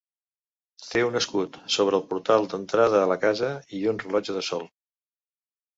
Té un escut sobre el portal d'entrada a la casa i un rellotge de sol.